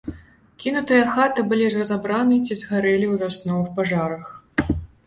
Кінутыя хаты былі разабраны ці згарэлі ў вясновых пажарах.